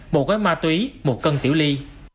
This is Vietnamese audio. một gói ma túy một cân tiểu ly